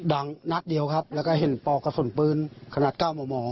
ดังนักเดียวครับแล้วก็เห็นปลอกกระสุนปืนขนาดเก้าหม่อ